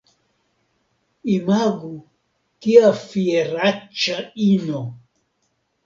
Imagu, kia fieraĉa ino!